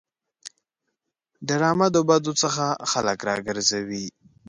ډرامه د بدو څخه خلک راګرځوي